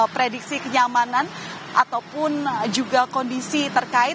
prediksi kenyamanan ataupun juga kondisi terkait